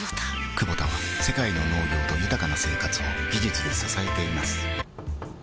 クボタは世界の農業と豊かな生活を技術で支えています起きて。